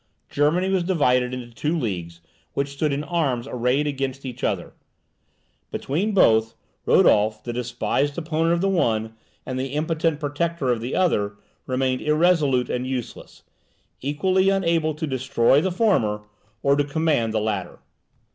Germany was divided into two leagues, which stood in arms arrayed against each other: between both, Rodolph, the despised opponent of the one, and the impotent protector of the other, remained irresolute and useless, equally unable to destroy the former or to command the latter.